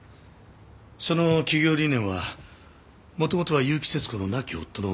その企業理念は元々は結城節子の亡き夫の哲学だったそうだ。